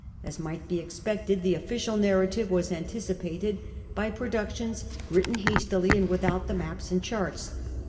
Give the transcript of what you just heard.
As might be expected, the official narrative was anticipated by produc tions written hastily and without the maps and charts.